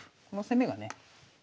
この攻めがね